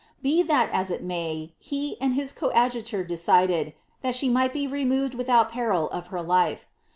Be that as it may, he and his coadjutor decided, that she might be removed without peril of her life.